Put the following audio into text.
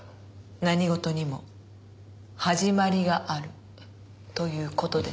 何事にも始まりがあるという事です。